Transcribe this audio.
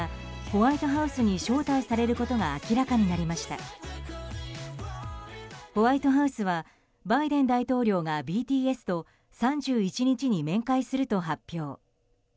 ホワイトハウスはバイデン大統領がＢＴＳと３１日に面会すると発表。